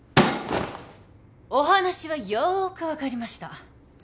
お話はよーく分かりました。